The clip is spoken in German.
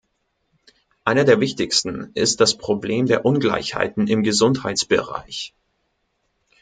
Einer der wichtigsten ist das Problem der Ungleichheiten im Gesundheitsbereich.